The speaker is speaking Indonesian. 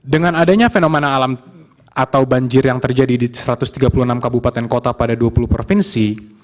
dengan adanya fenomena alam atau banjir yang terjadi di satu ratus tiga puluh enam kabupaten kota pada dua puluh provinsi